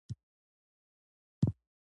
کوهلبرګ درې لیولونه بیان کړي دي.